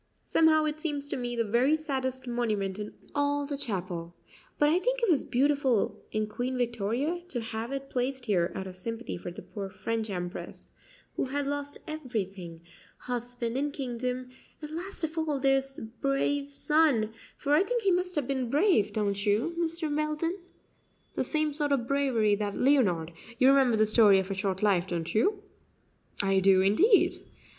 Somehow it seems to me the very saddest monument in all the chapel; but I think it was beautiful in Queen Victoria to have it placed here out of sympathy for the poor French Empress, who had lost everything husband and kingdom, and, last of all, this brave son; for I think he must have been brave, don't you, Mr. Belden? The same sort of bravery that Leonard you remember the 'Story of a Short Life,' don't you?" "I do, indeed."